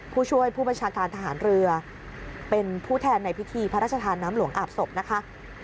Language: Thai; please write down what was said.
ผู้ช่วยผู้บัญชาการทหารเรือเป็นผู้แทนในพิธีพระราชทานน้ำหลวงอาบศพนะคะ